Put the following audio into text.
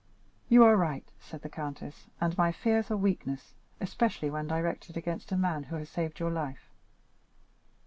"You are right," said the countess, "and my fears are weakness, especially when directed against a man who has saved your life.